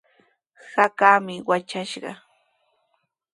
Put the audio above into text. Hakaami watrashqa.